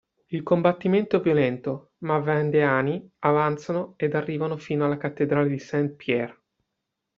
Il combattimento è violento ma vandeani avanzano ed arrivano fino alla cattedrale di Saint-Pierre.